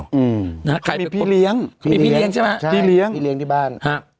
มีพี่เลี้ยงใช่ไหมพี่เลี้ยงที่บ้าน